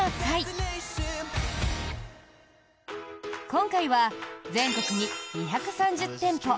今回は、全国に２３０店舗